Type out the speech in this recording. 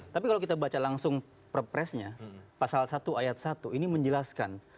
tapi kalau kita baca langsung perpresnya pasal satu ayat satu ini menjelaskan